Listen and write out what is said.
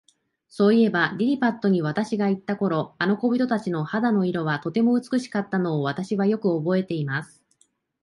そういえば、リリパットに私がいた頃、あの小人たちの肌の色は、とても美しかったのを、私はよくおぼえています。